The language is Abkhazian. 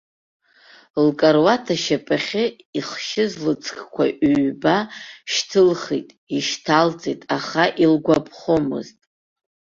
Лкаруаҭ ашьапахьы ихшьыз лыҵкқәа ҩба шьҭылхит ишьҭалҵеит, аха илгәаԥхомызт.